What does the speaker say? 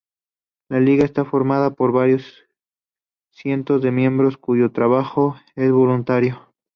La liga está formada por varios cientos de miembros cuyo trabajo es voluntario.